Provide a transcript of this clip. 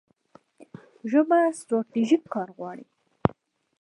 ژبه ستراتیژیک کار غواړي.